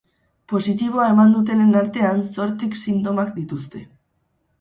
Positiboa eman dutenen artean, zortzik sintomak dituzte.